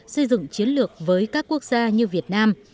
xây dựng chiến lược với các quốc gia như việt nam